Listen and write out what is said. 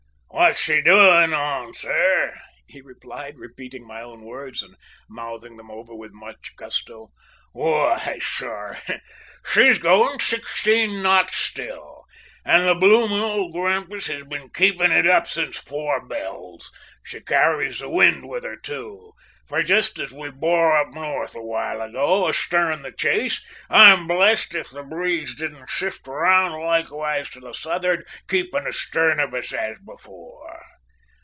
Wot she's a doing on, sir?" he replied, repeating my own words and mouthing them over with much gusto. "Why, sir, she's going sixteen knots still, and the bloomin' old grampus has been keeping it up since four bells. She carries the wind with her, too; for jist as we bore up north awhile ago, astern the chase, I'm blessed if the breeze didn't shift round likewise to the south'ard, keepin' astern of us as before!"